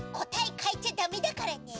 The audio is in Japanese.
かえちゃダメだからね！